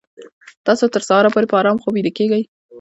تاسو تر سهاره پورې په ارام خوب ویده کیږئ